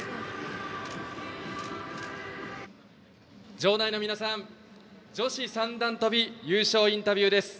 場内の皆さん、女子三段跳びの優勝インタビューです。